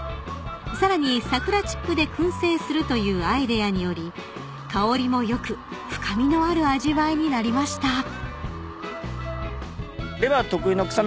［さらに桜チップで薫製するというアイデアにより香りも良く深みのある味わいになりました］